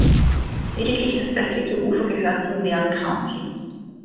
Lediglich das westliche Ufer gehört zum Leon County.